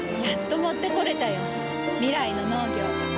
やっと持ってこれたよ。未来の農業。